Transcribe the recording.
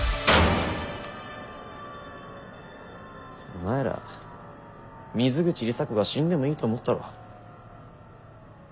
お前ら水口里紗子が死んでもいいと思ったろ。